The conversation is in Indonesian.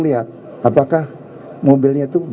lihat apakah mobilnya itu